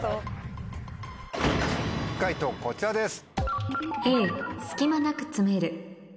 解答こちらです。